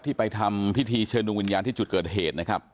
ไปทำพิธีเชิญดวงวิญญาณที่จุดเกิดเหตุนะครับ